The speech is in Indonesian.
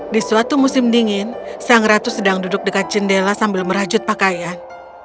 di suatu musim dingin sang ratu sedang duduk dekat jendela sambil merajut pakaian